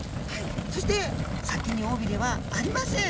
そして先におびれはありません。